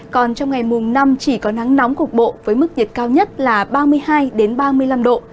còn trong ngày mùng năm chỉ có nắng nóng cục bộ với mức nhiệt cao nhất là ba mươi hai ba mươi năm độ